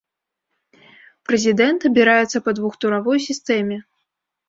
Прэзідэнт абіраецца па двухтуравой сістэме.